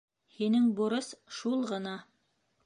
Һинең бурыс шул ғына.